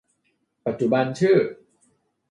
ปัจจุบันชื่อ